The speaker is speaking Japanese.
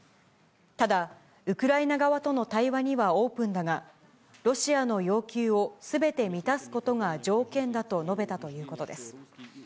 ただ、ウクライナ側との対話にはオープンだが、ロシアの要求をすべて満たすことが条件だと述べたということです。